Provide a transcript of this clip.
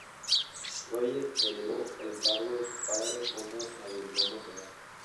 Roger heredó el cargo de su padre como mayordomo real.